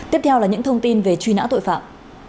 tiếp theo là những thông tin về truy nã tội phạm